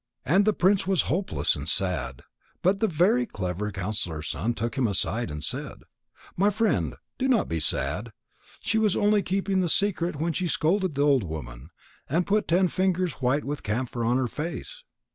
And the prince was hopeless and sad, but the very clever counsellor's son took him aside and said, "My friend, do not be sad. She was only keeping the secret when she scolded the old woman, and put ten fingers white with camphor on her face.